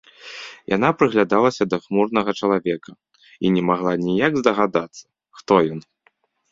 Яна прыглядалася да хмурнага чалавека і не магла ніяк здагадацца, хто ён.